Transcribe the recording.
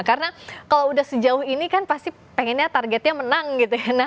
karena kalau sudah sejauh ini kan pasti pengennya targetnya